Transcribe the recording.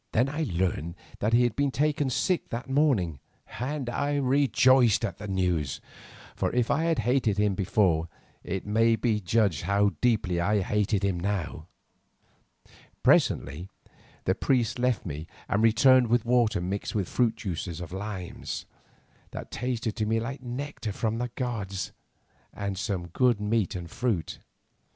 Then I learned that he had been taken sick that morning, and I rejoiced at the news, for if I had hated him before, it may be judged how deeply I hated him now. Presently the priest left me and returned with water mixed with the juice of limes, that tasted to me like nectar from the gods, and some good meat and fruit.